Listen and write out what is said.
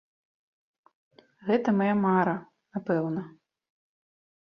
Гэта мая мара, напэўна.